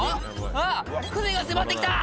「あぁ船が迫ってきた！